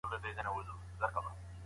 موږ بايد هره ورځ نوي څه زده کړو.